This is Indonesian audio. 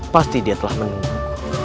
pasti dia telah menungguku